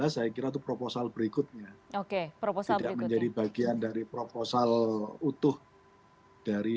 saya kira itu proposal berikutnya oke proposal tidak menjadi bagian dari proposal utuh dari